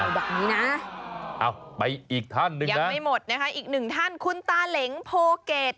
แบบนี้นะไปอีกท่านหนึ่งยังไม่หมดนะคะอีกหนึ่งท่านคุณตาเหล็งโพเกต